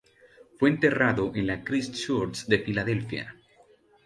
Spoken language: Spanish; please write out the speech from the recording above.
Fue enterrado en la "Christ Church" de Filadelfia.